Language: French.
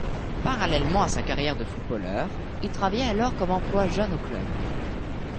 Parallèlement à sa carrière de footballeur, il travaillait alors comme emploi jeune au club.